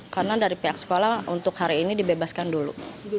karena dari pihak sekolah untuk hari ini dibebaskan dulu